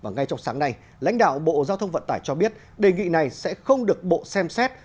ngay trong sáng nay lãnh đạo bộ giao thông vận tải cho biết đề nghị này sẽ không được bộ xem xét